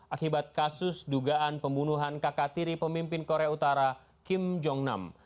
akibat kasus dugaan pembunuhan kakak tiri pemimpin korea utara kim jong nam